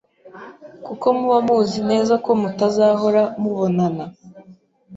Kuko muba muzi neza ko mutazahora mubonana